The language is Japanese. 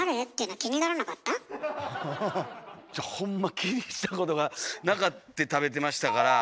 気にしたことがなかって食べてましたから。